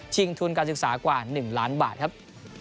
ทุนการศึกษากว่า๑ล้านบาทครับ